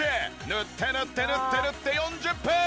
塗って塗って塗って塗って４０分！